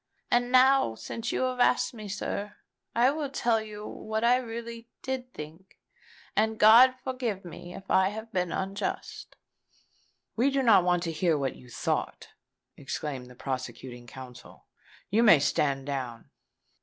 And now, since you have asked me, sir, I will tell you what I really did think; and God forgive me if I have been unjust." "We do not want to hear what you thought," exclaimed the prosecuting counsel. "You may stand down."